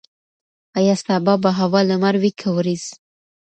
ایا سبا به هوا لمر وي که وریځ؟